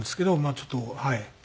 あちょっとはい。